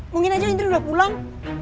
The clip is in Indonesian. mungkin aja indri udah pulang